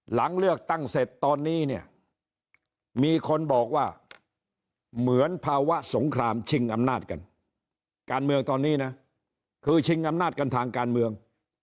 หลังเลือกตั้งเสร็จตอนนี้เนี่ยมีคนบอกว่าเหมือนภาวะสงครามชิงอำนาจกันการเมืองตอนนี้นะคือชิงอำนาจกันทางการเมือง